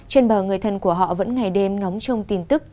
trên bờ người thân của họ vẫn ngày đêm ngóng trông tin tức